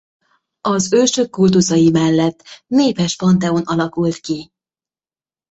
Az ősök kultuszai mellett népes panteon alakult ki.